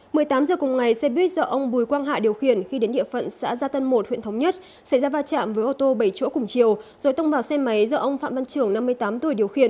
một mươi tám h cùng ngày xe buýt do ông bùi quang hạ điều khiển khi đến địa phận xã gia tân một huyện thống nhất xảy ra va chạm với ô tô bảy chỗ cùng chiều rồi tông vào xe máy do ông phạm văn trưởng năm mươi tám tuổi điều khiển